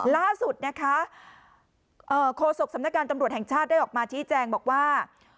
ล่าสุดนะคะโฆษกสำนักการตำรวจแห่งชาติได้ออกมาชี้แจงบอกว่า